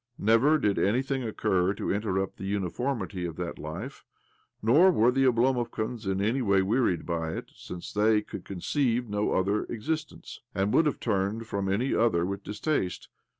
Never did anything occur to interrupt the uniformity of that life, nor were tbe Oblomovkans in any way wearied by it, since they could conceive no other existence, and would have turned from any other with dis taste.